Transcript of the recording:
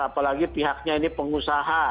apalagi pihaknya ini pengusaha